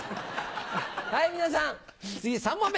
はい皆さん次３問目！